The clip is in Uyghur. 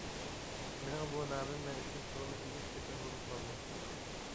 مېنىڭ بۇ نامىم مەن ئۈچۈن تولىمۇ ئېگىز سېپىل بولۇپ قالدى.